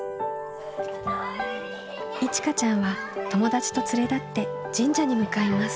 いちかちゃんは友達と連れ立って神社に向かいます。